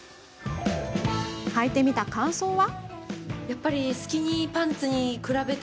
はいてみた感想は？